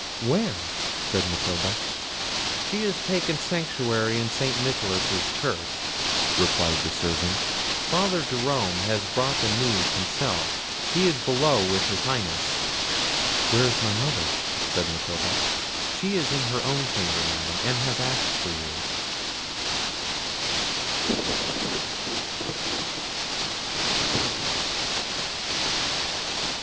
"Where?" said Matilda. "She has taken sanctuary in St. Nicholas's church," replied the servant; "Father Jerome has brought the news himself; he is below with his Highness." "Where is my mother?" said Matilda. "She is in her own chamber, Madam, and has asked for you."